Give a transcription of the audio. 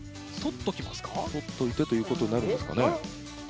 とっていてということになるんですかね。